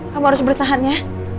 kamu harus bertahan ya